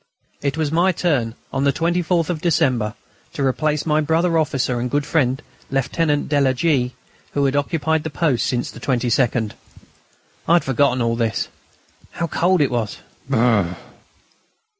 It was my turn, on the 24th of December, to replace my brother officer and good friend Lieutenant de la G., who had occupied the post since the 22nd. I had forgotten all this.... How cold it was! Brrr!...